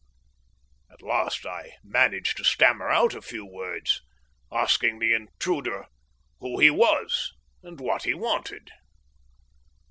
At last I managed to stammer out a few words, asking the intruder who he was and what he wanted.